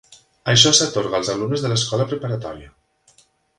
Això s'atorga als alumnes de l'escola preparatòria.